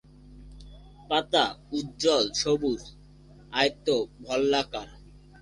পাতা উজ্জ্বল সবুজ, আয়ত-ভল্লাকার।